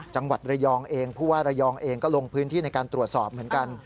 จังหวัดระยองเองผู้ว่าระยองเองก็ลงพื้นที่ในการตรวจสอบเหมือนกัน